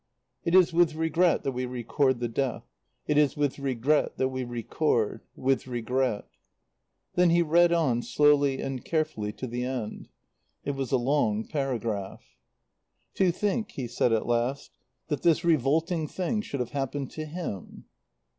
"It is with regret that we record the death. It is with regret that we record with regret " Then he read on, slowly and carefully, to the end. It was a long paragraph. "To think," he said at last, "that this revolting thing should have happened to him."